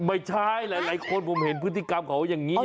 ไม่ใช่หลายคนผมเห็นพฤติกรรมเขาอย่างนี้